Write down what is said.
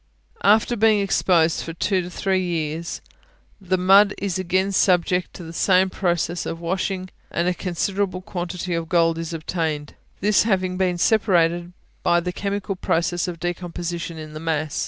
After being exposed for two or three years, the mud is again subjected to the same process of washing, and a considerable quantity of gold is obtained, this having been separated by the chemical process of decomposition in the mass.